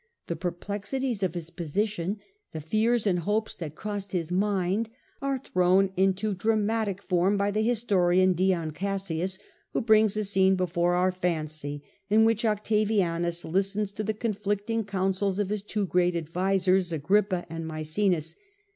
The perplexities of his position, the fears and hopes that crossed his mind, are thrown into dramatic form by the historian Dion Cassius, who brings a scene before our fancy in which Octavianus listens to the I'he debate conflicting counsels of his two great advisers Agrippa and Maecenas.